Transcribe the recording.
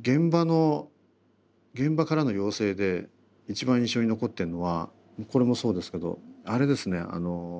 現場の現場からの要請で一番印象に残ってんのはこれもそうですけどあれですねあの。